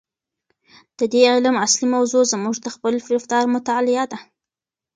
د دې علم اصلي موضوع زموږ د خپل رفتار مطالعه ده.